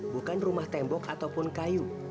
bukan rumah tembok ataupun kayu